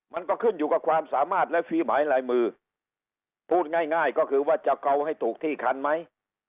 มันก็ขึ้นอยู่กับความสามารถและฟีหมายลายมือพูดง่ายง่ายก็คือว่าจะเกาให้ถูกที่คันไหม